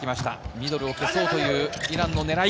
ミドルを消そうというイランの狙い。